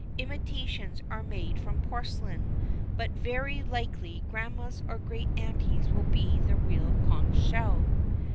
Imitations are made from porcelain, but very likely grandma's or great auntie's will be the real conch shell.